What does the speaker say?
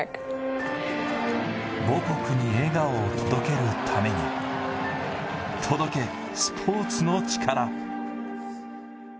母国に笑顔を届けるために、届けスポーツのチカラ。